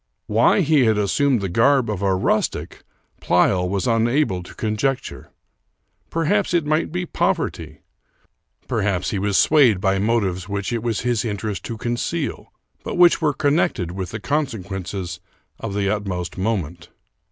Why he had assumed the garb of a rustic Pleyel was unable to conjecture. Perhaps it might be poverty ; perhaps he was swayed by motives which it was his interest to conceal, but which were connected with consequences of the utmost moment.